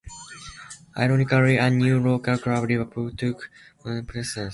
Ironically a new local club, Liverpool, took Bootle's place in the second division.